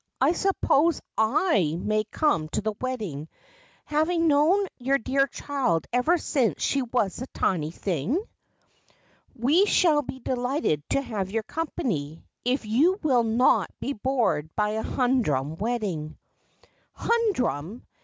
I suppose /may come to the wedding, having known yuiir dear child ever since she was a tiny thing ?'' We shall be delighted to have your company, if you will not be bored by a humdrum wedding.' ' Humdrum